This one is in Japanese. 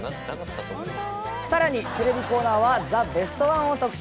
更にテレビコーナーは「ザ・ベストワン」を特集。